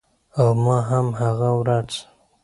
او ما هم هغه ورځ